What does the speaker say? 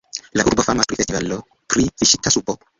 La urbo famas pri festivalo pri fiŝista supo.